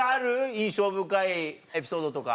印象深いエピソードとか。